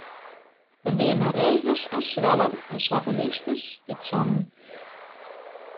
Der wiene reagers en swellen en swarte lysters dy't songen.